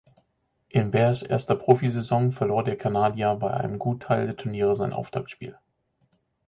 In Bears erster Profisaison verlor der Kanadier bei einem Gutteil der Turniere sein Auftaktspiel.